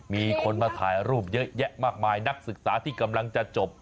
มีคนมาถ่ายรูปเยอะแยะมากมายนักศึกษาที่กำลังจะจบ